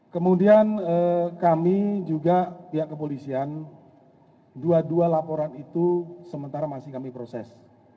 kemudian kami juga pihak kepolisian dua dua laporan itu sementara masih kami proses